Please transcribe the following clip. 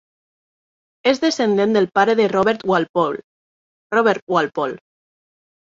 És descendent del pare de Robert Walpole, Robert Walpole.